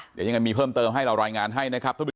เดี๋ยวยังงั้นมีเพิ่มเติมให้เรารอยงานให้นะครับ